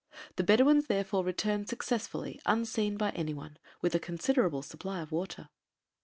The Bedouins, therefore, returned successfully, unseen by any one, with a considerable supply of water.